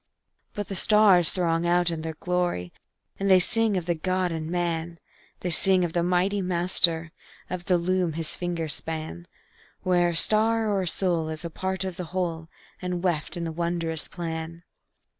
But the stars throng out in their glory, And they sing of the God in man; They sing of the Mighty Master, Of the loom his fingers span, Where a star or a soul is a part of the whole, And weft in the wondrous plan.